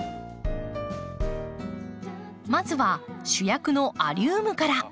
まずは主役のアリウムから。